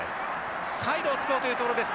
サイドを突こうというところです。